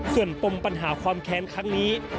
ส่วนปมปัญหาความแค้นครั้งนี้